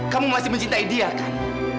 kamu masih mencintai dia kan